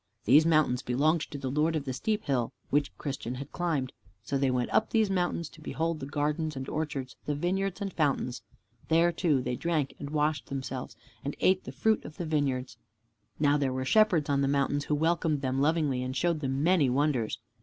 These mountains belonged to the Lord of the steep hill which Christian had climbed. So they went up these mountains to behold the gardens and orchards, the vineyards and fountains. There, too, they drank and washed themselves and ate the fruit of the vineyards. Now there were Shepherds on the mountains, who welcomed them lovingly and showed them many wonders.